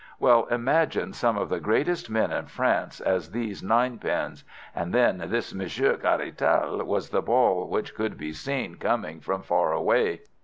Well, imagine some of the greatest men in France as these nine pins, and then this Monsieur Caratal was the ball which could be seen coming from far away.